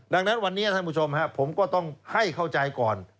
ดังนั้นวันนี้ท่านผู้ชมครับผมก็ต้องให้เข้าใจก่อน